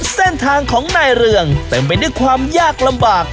เส้นทางของนายเรืองเต็มไปด้วยความยากลำบาก